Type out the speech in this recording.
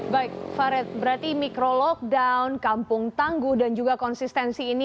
baik farid berarti mikro lockdown kampung tangguh dan juga konsistensi ini